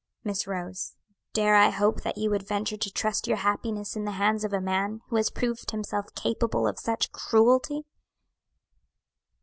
"Miss Rose, dare I hope that you would venture to trust your happiness in the hands of a man who has proved himself capable of such cruelty?"